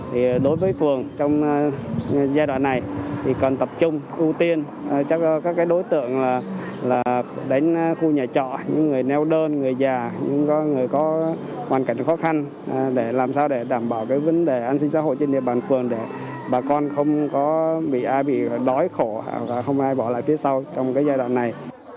thì đối với phường trong giai đoạn này thì còn tập trung ưu tiên cho các đối tượng là đánh khu nhà trọ những người neo đơn người già những người có hoàn cảnh khó khăn để làm sao để đảm bảo cái vấn đề an sinh giáo hội trên địa bàn phường để bà con không có bị ai bị đói khổ và không ai bỏ lại phía sau trong cái giai đoạn này